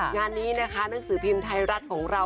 งานนี้นะคะหนังสือพิมพ์ไทยรัฐของเรา